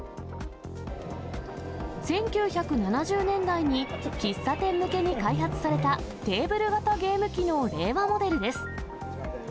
１９７０年代に喫茶店向けに開発されたテーブル型ゲーム機の令和モデルです。